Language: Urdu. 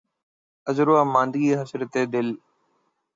عذر واماندگی، اے حسرتِ دل!